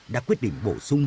đã quyết định bổ sung